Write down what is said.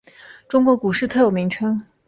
中国股市特有名称。